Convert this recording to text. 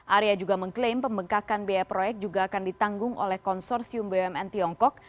arya juga mengklaim pembengkakan biaya proyek juga akan ditanggung oleh konsorsium bumn tiongkok